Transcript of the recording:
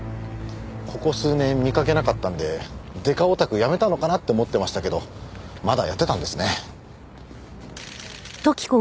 ここ数年見かけなかったんでデカオタクやめたのかなって思ってましたけどまだやってたんですね。